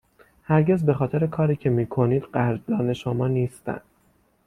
هرگز بخاطر کاری که می کنید قدردان شما نیستند.